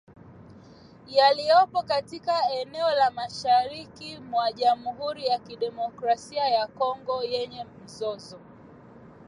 yaliyopo katika eneo la mashariki mwa jamhuri ya kidemokrasia ya Kongo lenye mzozo